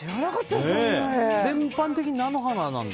全般的に菜の花なんだ。